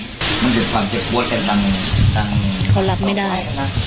เขารับไม่ได้